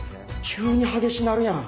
急に激しなるやん！